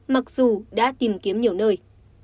mặc dù đã tìm kiếm nhiều nơi